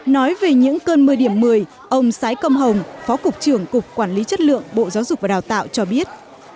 nói về những cơn mưa điểm một mươi ông sái công hồng phó cục trưởng cục quản lý chất lượng bộ giáo dục và đào tạo cho biết